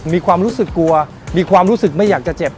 มีความรู้สึกกลัวมีความรู้สึกไม่อยากจะเจ็บ